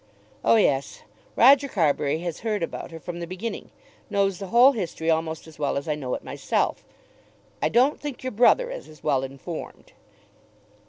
"Oh yes; Roger Carbury has heard about her from the beginning; knows the whole history almost as well as I know it myself. I don't think your brother is as well informed."